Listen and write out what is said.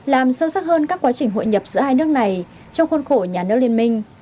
làm sâu sắc hơn các quá trình hội nhập giữa hai nước này trong khuôn khổ nhà nước liên minh